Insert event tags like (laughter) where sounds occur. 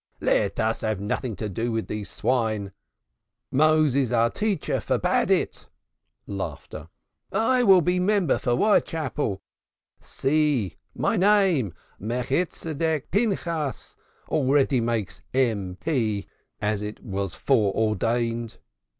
Let us have nothing to do with these swine Moses our teacher forbade it. (laughs) I will be the Member for Whitechapel. See, my name Melchitsedek Pinchas already makes M.P. it was foreordained.